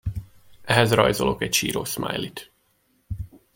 Ehhez rajzolok egy sírós szmájlit.